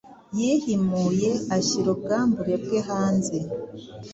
yihimuye ashyira ubwambure bwe hanze